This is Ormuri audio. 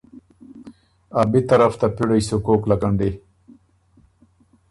ابی طرف ته پِړئ سُو کوک لکنډی؟“